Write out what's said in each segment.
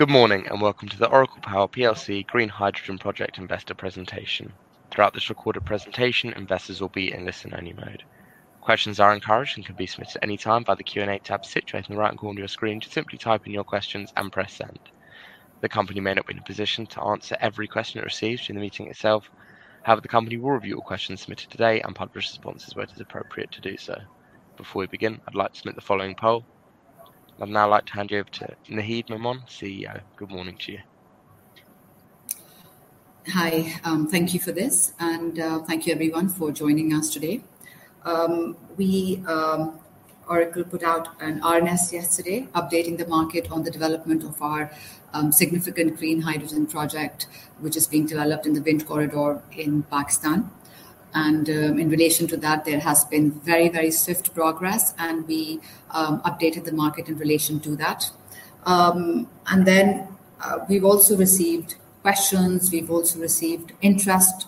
Good morning, and welcome to the Oracle Power PLC Green Hydrogen Project Investor Presentation. Throughout this recorded presentation, investors will be in listen-only mode. Questions are encouraged and can be submitted at any time via the Q&A tab situated in the right corner of your screen. Just simply type in your questions and press send. The company may not be in a position to answer every question it receives during the meeting itself. However, the company will review all questions submitted today and publish responses where it is appropriate to do so. Before we begin, I'd like to submit the following poll. I'd now like to hand you over to Naheed Memon, CEO. Good morning to you. Hi. Thank you for this, and thank you everyone for joining us today. Oracle put out an RNS yesterday updating the market on the development of our significant green hydrogen project, which is being developed in the Jhimpir Wind Corridor in Pakistan. In relation to that, there has been very, very swift progress and we updated the market in relation to that. We've also received questions. We've also received interest,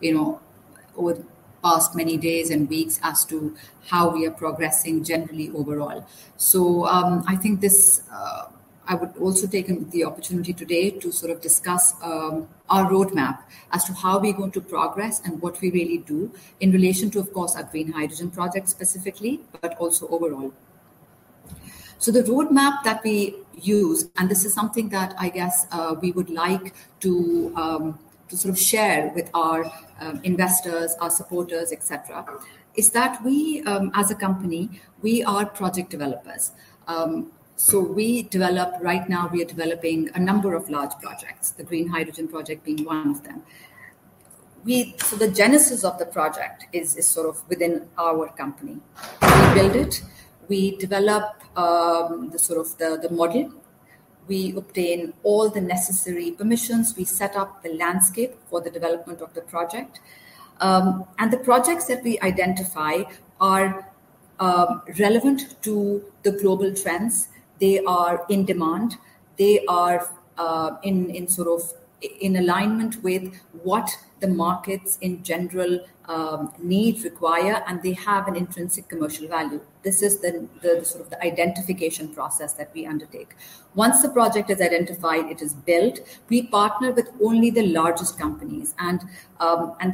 you know, over the past many days and weeks as to how we are progressing generally overall. I think I would also take the opportunity today to sort of discuss our roadmap as to how we're going to progress and what we really do in relation to, of course, our green hydrogen project specifically, but also overall. The roadmap that we use, and this is something that I guess we would like to sort of share with our investors, our supporters, et cetera, is that we as a company, we are project developers. We develop. Right now we are developing a number of large projects, the green hydrogen project being one of them. The genesis of the project is sort of within our company. We build it, we develop the sort of model. We obtain all the necessary permissions. We set up the landscape for the development of the project. The projects that we identify are relevant to the global trends. They are in demand. They are in sort of in alignment with what the markets in general need, require, and they have an intrinsic commercial value. This is the sort of identification process that we undertake. Once the project is identified, it is built. We partner with only the largest companies and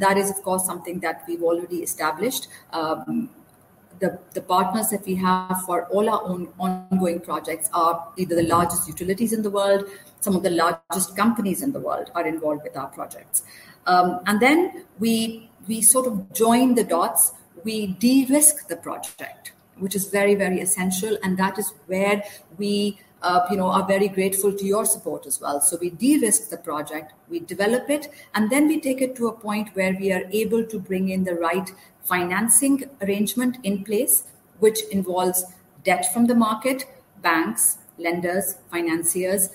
that is of course something that we've already established. The partners that we have for all our ongoing projects are either the largest utilities in the world. Some of the largest companies in the world are involved with our projects. We sort of join the dots. We de-risk the project, which is very essential, and that is where we you know are very grateful to your support as well. We de-risk the project, we develop it, and we take it to a point where we are able to bring in the right financing arrangement in place, which involves debt from the market, banks, lenders, financiers,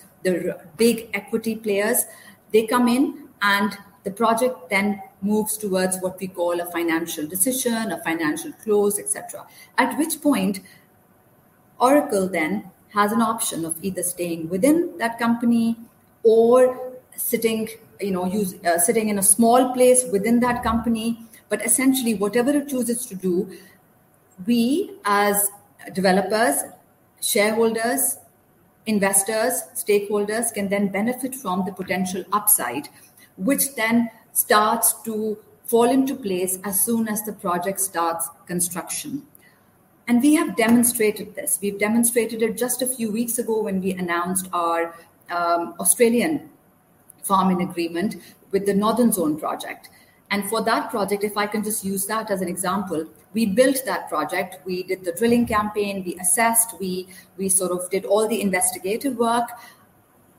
big equity players. They come in and the project then moves towards what we call a financial decision, a financial close, et cetera. At which point Oracle then has an option of either staying within that company or sitting, you know, us sitting in a small place within that company. Essentially, whatever it chooses to do, we as developers, shareholders, investors, stakeholders, can then benefit from the potential upside, which then starts to fall into place as soon as the project starts construction. We have demonstrated this. We've demonstrated it just a few weeks ago when we announced our Australian farm-in agreement with the Northern Zone project. For that project, if I can just use that as an example, we built that project. We did the drilling campaign. We assessed. We sort of did all the investigative work.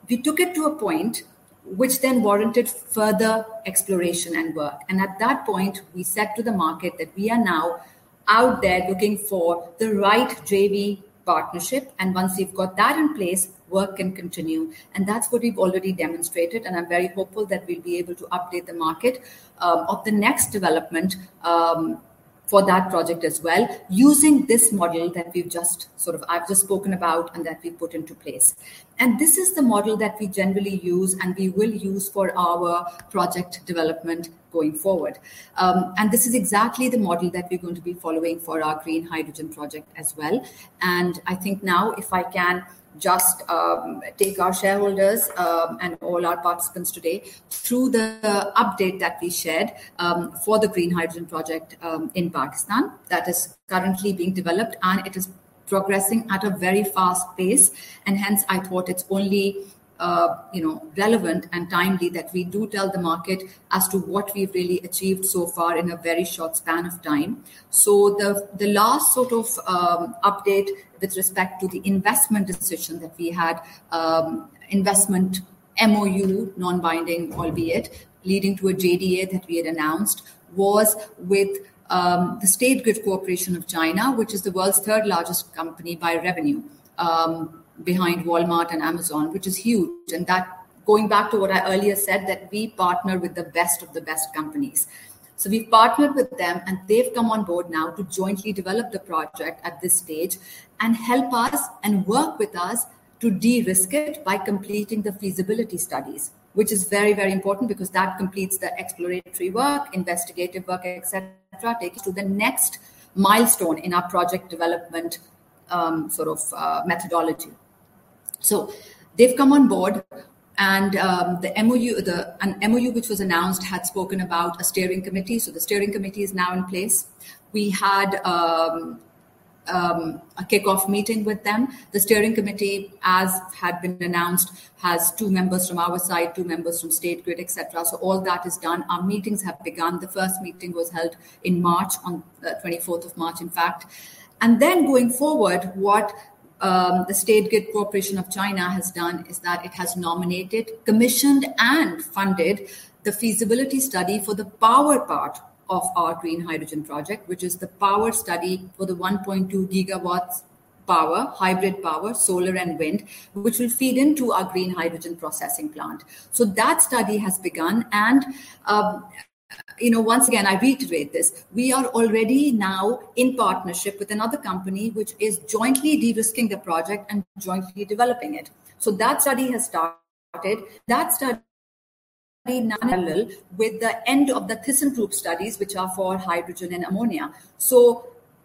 We took it to a point which then warranted further exploration and work. At that point, we said to the market that we are now out there looking for the right JV partnership, and once we've got that in place, work can continue. That's what we've already demonstrated, and I'm very hopeful that we'll be able to update the market, of the next development, for that project as well using this model that we've just sort of, I've just spoken about and that we've put into place. This is the model that we generally use and we will use for our project development going forward. This is exactly the model that we're going to be following for our green hydrogen project as well. I think now if I can just take our shareholders and all our participants today through the update that we shared for the green hydrogen project in Pakistan that is currently being developed and it is progressing at a very fast pace. Hence I thought it's only you know relevant and timely that we do tell the market as to what we've really achieved so far in a very short span of time. The last sort of update with respect to the investment decision that we had investment MoU, non-binding albeit, leading to a JDA that we had announced, was with the State Grid Corporation of China, which is the world's third largest company by revenue behind Walmart and Amazon, which is huge. That, going back to what I earlier said, that we partner with the best of the best companies. We've partnered with them, and they've come on board now to jointly develop the project at this stage and help us and work with us to de-risk it by completing the feasibility studies, which is very, very important because that completes the exploratory work, investigative work, et cetera, takes it to the next milestone in our project development, sort of, methodology. They've come on board and, the MoU which was announced had spoken about a steering committee. The steering committee is now in place. We had a kickoff meeting with them. The steering committee, as had been announced, has two members from our side, two members from State Grid, et cetera. All that is done. Our meetings have begun. The first meeting was held in March, on 24th of March, in fact. Then going forward, the State Grid Corporation of China has done is that it has nominated, commissioned and funded the feasibility study for the power part of our green hydrogen project, which is the power study for the 1.2 GW power, hybrid power, solar and wind, which will feed into our green hydrogen processing plant. That study has begun and, you know, once again, I reiterate this, we are already now in partnership with another company which is jointly de-risking the project and jointly developing it. That study has started. That study with the end of the thyssenkrupp studies, which are for hydrogen and ammonia.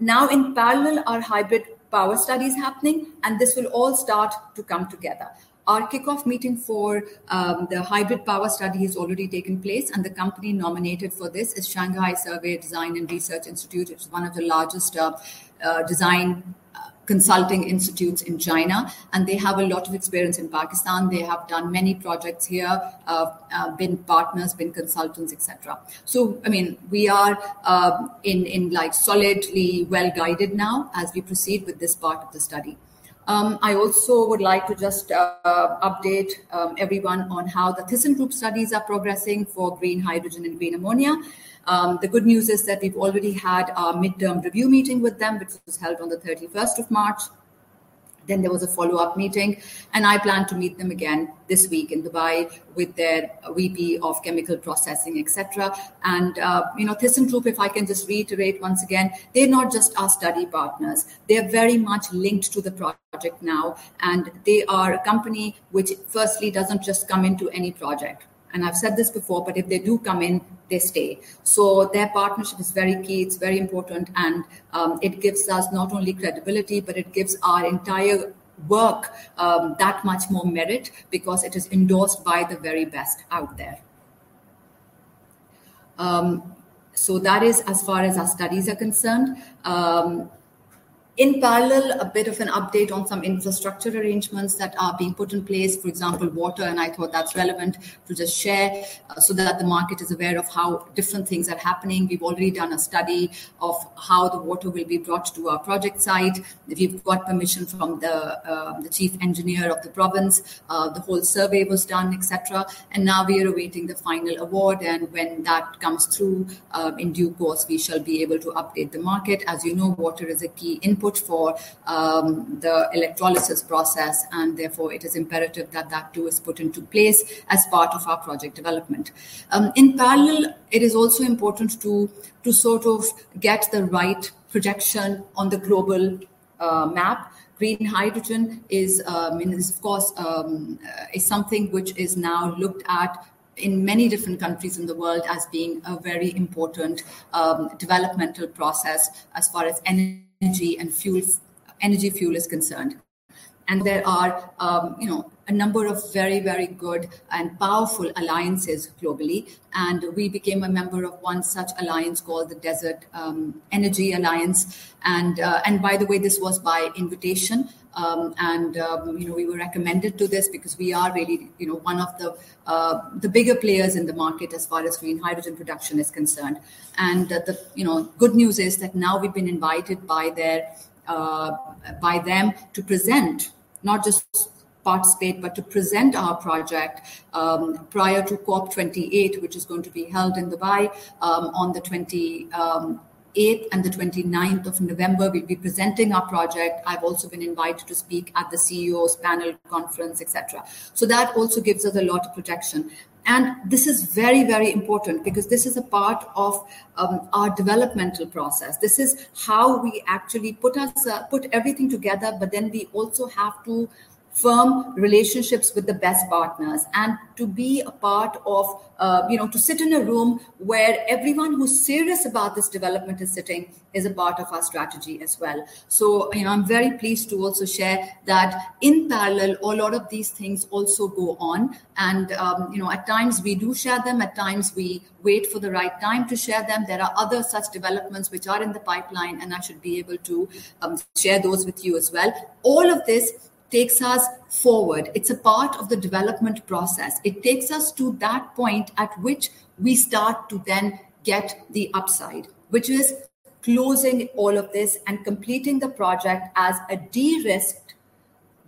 Now in parallel, our hybrid power study is happening, and this will all start to come together. Our kickoff meeting for the hybrid power study has already taken place, and the company nominated for this is Shanghai Investigation, Design & Research Institute. It's one of the largest design consulting institutes in China, and they have a lot of experience in Pakistan. They have done many projects here, been partners, been consultants, et cetera. I mean, we are in like solidly well guided now as we proceed with this part of the study. I also would like to just update everyone on how the thyssenkrupp studies are progressing for green hydrogen and green ammonia. The good news is that we've already had our midterm review meeting with them, which was held on the 31st of March. There was a follow-up meeting, and I plan to meet them again this week in Dubai with their VP of chemical processing, et cetera. You know, thyssenkrupp, if I can just reiterate once again, they're not just our study partners. They're very much linked to the project now, and they are a company which firstly doesn't just come into any project. I've said this before, but if they do come in, they stay. Their partnership is very key. It's very important and it gives us not only credibility, but it gives our entire work that much more merit because it is endorsed by the very best out there. That is as far as our studies are concerned. In parallel, a bit of an update on some infrastructure arrangements that are being put in place, for example, water, and I thought that's relevant to just share so that the market is aware of how different things are happening. We've already done a study of how the water will be brought to our project site. We've got permission from the chief engineer of the province. The whole survey was done, et cetera. Now we are awaiting the final award. When that comes through, in due course, we shall be able to update the market. As you know, water is a key input for the electrolysis process, and therefore, it is imperative that that too is put into place as part of our project development. In parallel, it is also important to sort of get the right projection on the global map. Green hydrogen is, I mean, of course, something which is now looked at in many different countries in the world as being a very important developmental process as far as energy and fuel is concerned. There are, you know, a number of very good and powerful alliances globally. We became a member of one such alliance called Dii Desert Energy. By the way, this was by invitation. You know, we were recommended to this because we are really, you know, one of the bigger players in the market as far as green hydrogen production is concerned. The good news is that now we've been invited by them to present, not just participate, but to present our project, prior to COP28, which is going to be held in Dubai, on the 28th and the 29th of November. We'll be presenting our project. I've also been invited to speak at the CEO's panel conference, et cetera. That also gives us a lot of projection. This is very, very important because this is a part of our developmental process. This is how we actually put everything together, but then we also have to form relationships with the best partners. To be a part of, you know, to sit in a room where everyone who's serious about this development is sitting is a part of our strategy as well. You know, I'm very pleased to also share that in parallel, a lot of these things also go on and, you know, at times we do share them, at times we wait for the right time to share them. There are other such developments which are in the pipeline, and I should be able to share those with you as well. All of this takes us forward. It's a part of the development process. It takes us to that point at which we start to then get the upside, which is closing all of this and completing the project as a de-risked,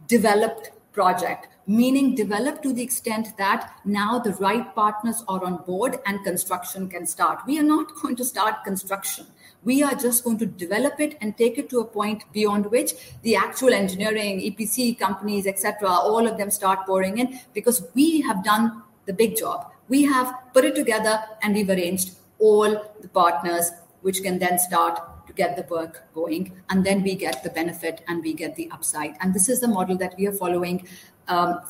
developed project. Meaning developed to the extent that now the right partners are on board and construction can start. We are not going to start construction. We are just going to develop it and take it to a point beyond which the actual engineering, EPC companies, et cetera, all of them start pouring in because we have done the big job. We have put it together, and we've arranged all the partners which can then start to get the work going, and then we get the benefit, and we get the upside. This is the model that we are following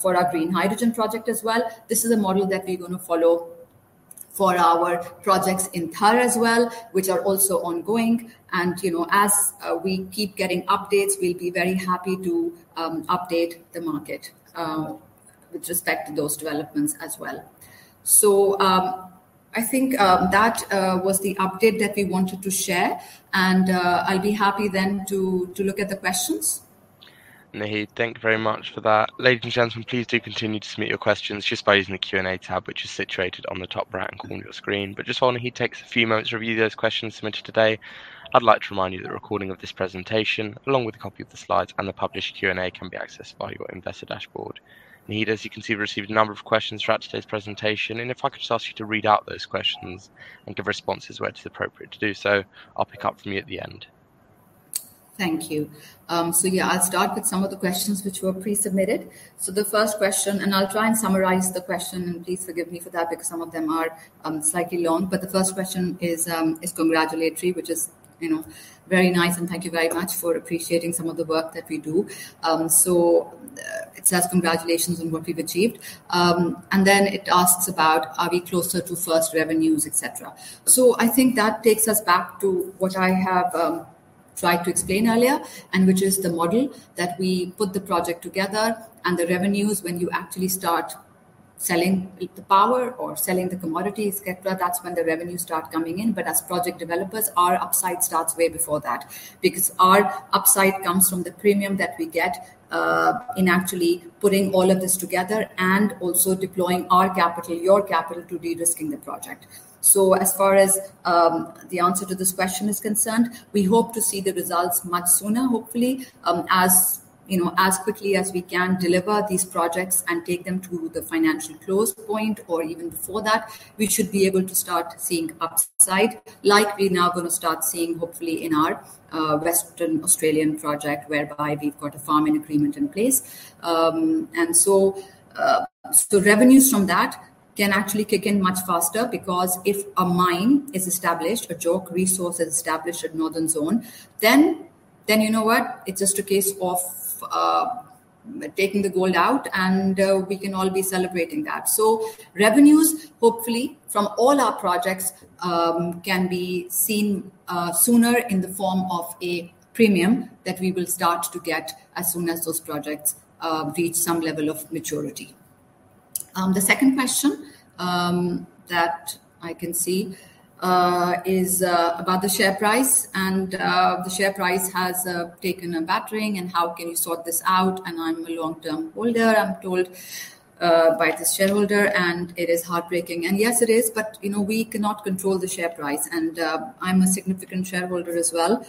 for our green hydrogen project as well. This is a model that we're gonna follow for our projects in Thar as well, which are also ongoing. You know, as we keep getting updates, we'll be very happy to update the market with respect to those developments as well. I think that was the update that we wanted to share and I'll be happy then to look at the questions. Naheed, thank you very much for that. Ladies and gentlemen, please do continue to submit your questions just by using the Q&A tab which is situated on the top right-hand corner of your screen. Just while Naheed takes a few moments to review those questions submitted today, I'd like to remind you that a recording of this presentation, along with a copy of the slides and the published Q&A, can be accessed via your investor dashboard. Naheed, as you can see, we received a number of questions throughout today's presentation, and if I could just ask you to read out those questions and give responses where it's appropriate to do so. I'll pick up from you at the end. Thank you. Yeah, I'll start with some of the questions which were pre-submitted. The first question, and I'll try and summarize the question, and please forgive me for that because some of them are slightly long. The first question is congratulatory, which is, you know, very nice, and thank you very much for appreciating some of the work that we do. It says congratulations on what we've achieved. Then it asks about, are we closer to first revenues, et cetera. I think that takes us back to what I have tried to explain earlier, and which is the model that we put the project together and the revenues when you actually start selling the power or selling the commodities et cetera, that's when the revenues start coming in. As project developers, our upside starts way before that because our upside comes from the premium that we get in actually putting all of this together and also deploying our capital, your capital to de-risking the project. As far as the answer to this question is concerned, we hope to see the results much sooner, hopefully, as you know, as quickly as we can deliver these projects and take them to the Financial close point or even before that, we should be able to start seeing upside like we're now gonna start seeing hopefully in our Western Australian project whereby we've got a farm-in agreement in place. Some revenues from that can actually kick in much faster because if a mine is established, a JORC resource is established at Northern Zone, then you know what? It's just a case of taking the gold out, and we can all be celebrating that. Revenues, hopefully from all our projects, can be seen sooner in the form of a premium that we will start to get as soon as those projects reach some level of maturity. The second question that I can see is about the share price and the share price has taken a battering and how can you sort this out, and I'm a long-term holder, I'm told by the shareholder, and it is heartbreaking. Yes it is, but you know, we cannot control the share price and I'm a significant shareholder as well.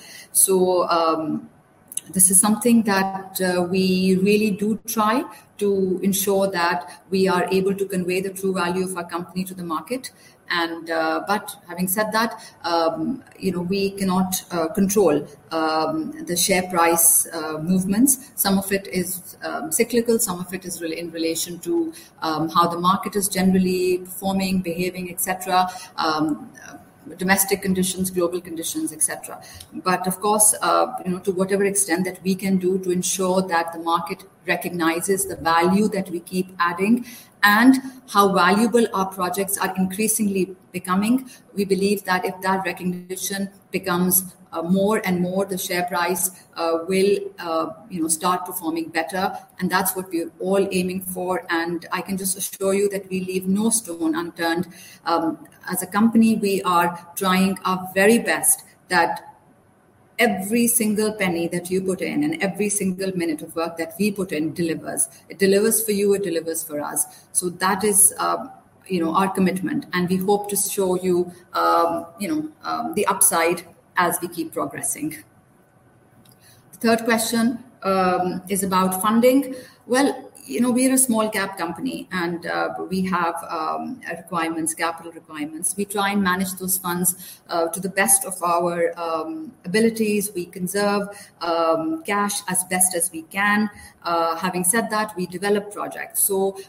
This is something that we really do try to ensure that we are able to convey the true value of our company to the market and, but having said that, you know, we cannot control the share price movements. Some of it is cyclical, some of it is really in relation to how the market is generally performing, behaving, et cetera, domestic conditions, global conditions, et cetera. But of course, you know, to whatever extent that we can do to ensure that the market recognizes the value that we keep adding and how valuable our projects are increasingly becoming, we believe that if that recognition becomes more and more, the share price will, you know, start performing better and that's what we're all aiming for. I can just assure you that we leave no stone unturned. As a company, we are trying our very best that every single penny that you put in and every single minute of work that we put in delivers. It delivers for you, it delivers for us. That is, you know, our commitment and we hope to show you know, the upside as we keep progressing. The third question is about funding. Well, you know, we're a small-cap company and, we have requirements, capital requirements. We try and manage those funds to the best of our abilities. We conserve cash as best as we can. Having said that, we develop projects. You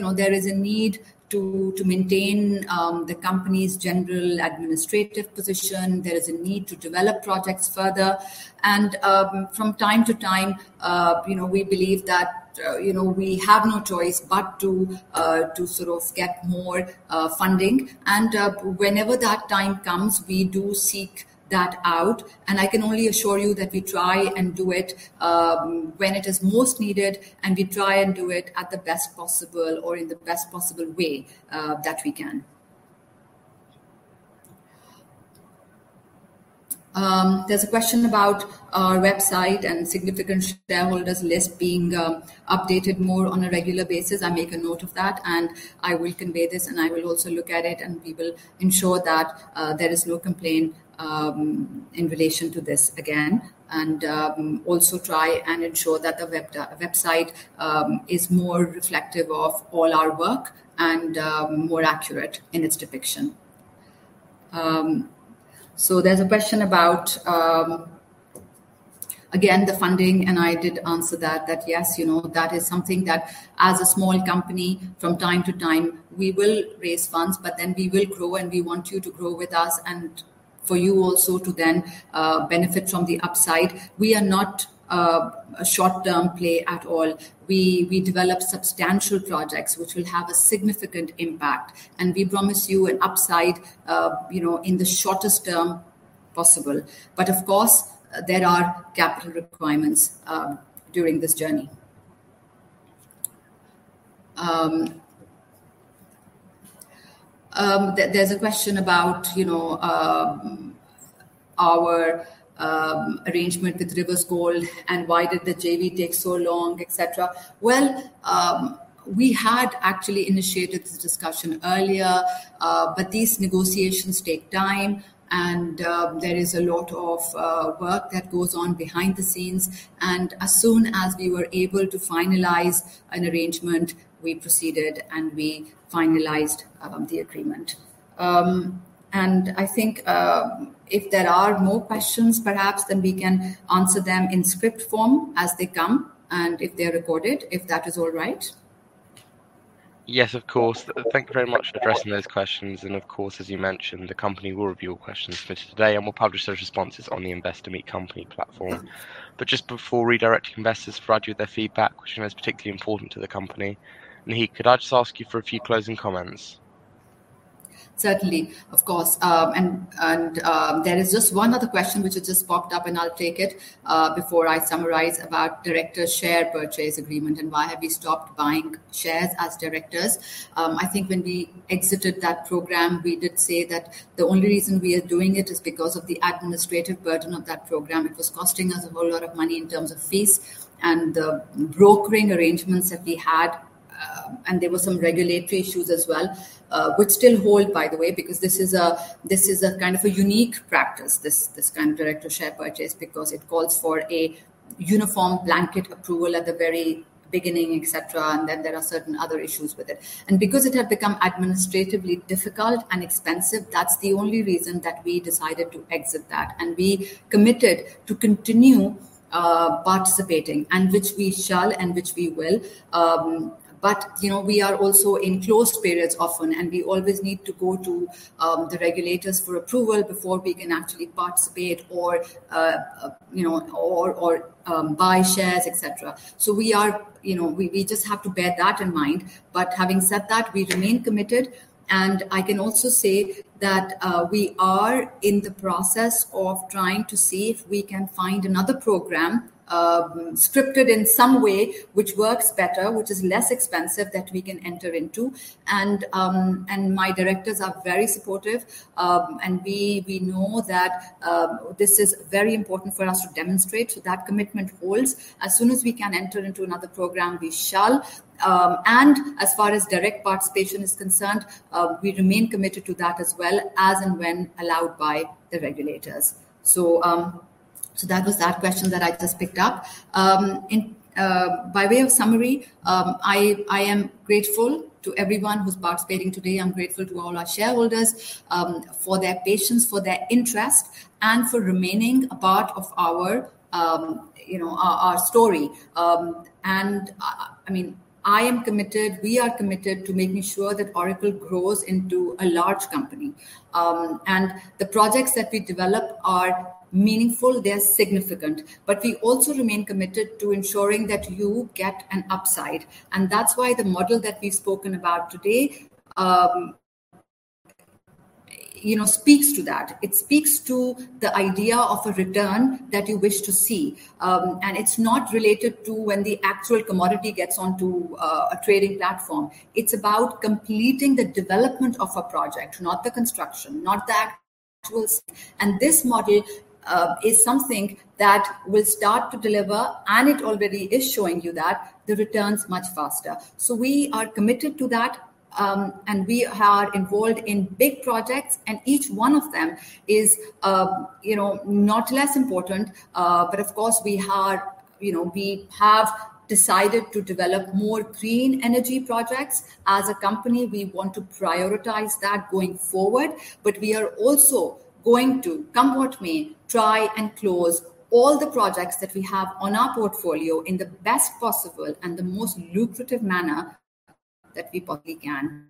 know, there is a need to maintain the company's general administrative position. There is a need to develop projects further. From time to time, you know, we believe that you know we have no choice but to sort of get more funding. Whenever that time comes, we do seek that out, and I can only assure you that we try and do it when it is most needed, and we try and do it at the best possible or in the best possible way that we can. There's a question about our website and significant shareholders list being updated more on a regular basis. I'll make a note of that, and I will convey this, and I will also look at it, and we will ensure that there is no complaint in relation to this again. Also try and ensure that the website is more reflective of all our work and more accurate in its depiction. There's a question about, again, the funding, and I did answer that yes, you know, that is something that as a small company from time to time we will raise funds, but then we will grow, and we want you to grow with us and for you also to then benefit from the upside. We are not a short-term play at all. We develop substantial projects which will have a significant impact, and we promise you an upside, you know, in the shortest term possible. Of course, there are capital requirements during this journey. There's a question about, you know, our arrangement with Riversgold and why did the JV take so long, et cetera. Well, we had actually initiated the discussion earlier, but these negotiations take time and there is a lot of work that goes on behind the scenes, and as soon as we were able to finalize an arrangement, we proceeded, and we finalized the agreement. I think if there are more questions perhaps, then we can answer them in script form as they come and if they're recorded, if that is all right. Yes, of course. Thank you very much for addressing those questions. Of course, as you mentioned, the company will review all questions for today, and we'll publish those responses on the Investor Meet Company platform. Just before redirecting investors to provide you with their feedback, which is most particularly important to the company, Naheed, could I just ask you for a few closing comments? Certainly. Of course. There is just one other question which has just popped up, and I'll take it before I summarize about director share purchase agreement and why have we stopped buying shares as directors. I think when we exited that program, we did say that the only reason we are doing it is because of the administrative burden of that program. It was costing us a whole lot of money in terms of fees and the brokering arrangements that we had, and there were some regulatory issues as well, which still hold, by the way, because this is a kind of a unique practice, this kind of director share purchase because it calls for a uniform blanket approval at the very beginning, et cetera, and then there are certain other issues with it. Because it had become administratively difficult and expensive, that's the only reason that we decided to exit that. We committed to continue participating, which we shall and will. You know, we are also in closed periods often, and we always need to go to the regulators for approval before we can actually participate or you know or buy shares, et cetera. You know, we just have to bear that in mind. Having said that, we remain committed, and I can also say that we are in the process of trying to see if we can find another program scripted in some way which works better, which is less expensive that we can enter into. My directors are very supportive. We know that this is very important for us to demonstrate that commitment holds. As soon as we can enter into another program, we shall. As far as direct participation is concerned, we remain committed to that as well, as and when allowed by the regulators. That was that question that I just picked up. By way of summary, I am grateful to everyone who's participating today. I'm grateful to all our shareholders for their patience, for their interest, and for remaining a part of our you know, our story. I mean, I am committed, we are committed to making sure that Oracle grows into a large company. The projects that we develop are meaningful, they're significant. We also remain committed to ensuring that you get an upside. That's why the model that we've spoken about today, you know, speaks to that. It speaks to the idea of a return that you wish to see. It's not related to when the actual commodity gets onto a trading platform. It's about completing the development of a project, not the construction, not the tools. This model is something that will start to deliver, and it already is showing you that, the returns much faster. We are committed to that, and we are involved in big projects, and each one of them is, you know, not less important. Of course, we are, you know, we have decided to develop more clean energy projects. As a company, we want to prioritize that going forward. We are also going to, come what may, try and close all the projects that we have on our portfolio in the best possible and the most lucrative manner that we possibly can.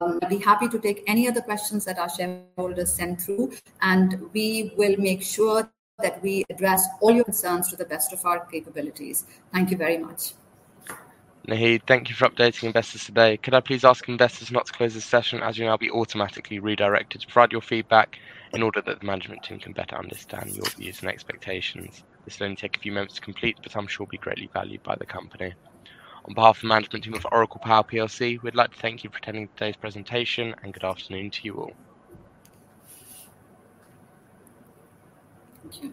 I'll be happy to take any of the questions that our shareholders send through, and we will make sure that we address all your concerns to the best of our capabilities. Thank you very much. Naheed, thank you for updating investors today. Could I please ask investors now to close this session as you'll now be automatically redirected to provide your feedback in order that the management team can better understand your views and expectations? This will only take a few moments to complete, but I'm sure it'll be greatly valued by the company. On behalf of the management team of Oracle Power PLC, we'd like to thank you for attending today's presentation, and good afternoon to you all.